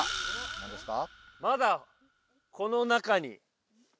何ですか？